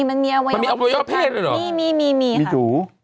มันมีทรงเร๑๐๐๐ได้หรอ